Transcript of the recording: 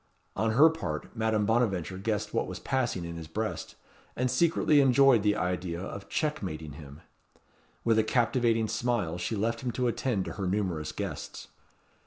On her part, Madame Bonaventure guessed what was passing in his breast, and secretly enjoyed the idea of checkmating him. With a captivating smile she left him to attend to her numerous guests.